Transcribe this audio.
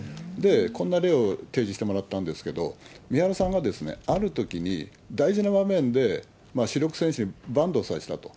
こんな例を提示してもらったんですけど、みはらさんは、あるときに大事な場面で主力選手にバントをさせたと。